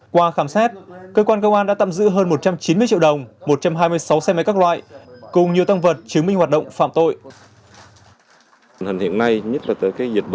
qua khám xét cơ quan công an đã tạm giữ hơn một trăm chín mươi triệu đồng một trăm hai mươi sáu xe máy các loại